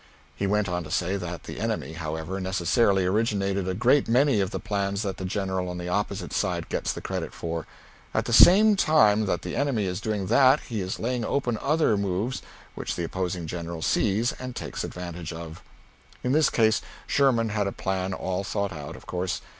He went on to say that the enemy, however, necessarily originated a great many of the plans that the general on the opposite side gets the credit for; at the same time that the enemy is doing that, he is laying open other moves which the opposing general sees and takes advantage of. In this case, Sherman had a plan all thought out, of course.